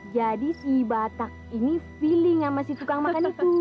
jadi si batak ini feeling sama si tukang makan itu